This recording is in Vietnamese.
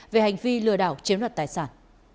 về hành vi lừa đảo chiếm luật tài sản